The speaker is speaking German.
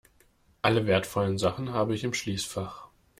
Alle wertvollen Sachen habe ich im Schließfach.